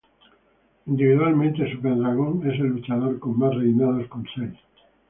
Individualmente, Super Dragon es el luchador con más reinados con seis.